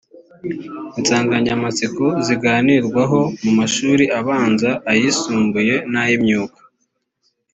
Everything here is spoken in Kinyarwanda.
insanganyamatsiko ziganirwaho mu mashuri abanza ayisumbuye n ay imyuga